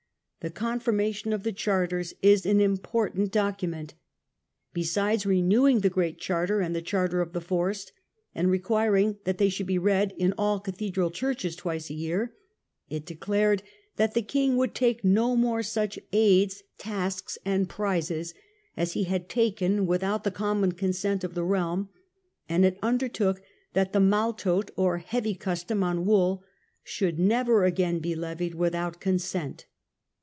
The * Confirmation of the Charters' is an im portant document. Besides renewing the Great Charter The confir ^^^^^^ Charter of the Forest, and requiring matio Caru that they should be read in all cathedral ™° churches twice a year, it declared that the king would take no more such " aids, tasks, and prises " as he had taken without the common consent of the realm, and it undertook that the tnaletote (or heavy cus tom) on wool should never again be levied without consent.